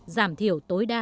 giảm thiểu tối đa